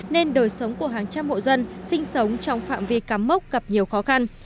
nên đời sống của hàng trăm hộ dân sinh sống trong phạm vi cắm mốc gặp nhiều khó khăn